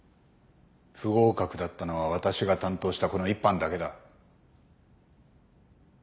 不合格だったのは私が担当したこの１班だけだ。